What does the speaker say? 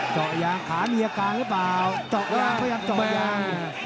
เจาะยางขามีอาการหรือเปล่าเจาะยางพยายามเจาะยาง